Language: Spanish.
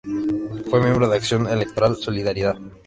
Fue miembro de Acción Electoral Solidaridad.